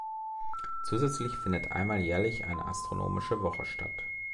Zusätzlich findet einmal jährlich eine "Astronomische Woche" statt.